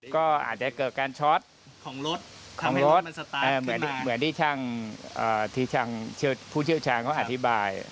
ก็อาจจะเกิดการช็อตของรถของรถเหมือนที่ทางผู้เชี่ยวชาญเขาอธิบาย